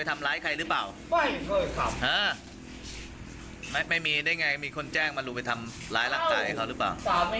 อื้อไม่มีได้ไงมีคนแจ้งมาลุงไปทำร้ายรักษาให้เขาหรือเปล่า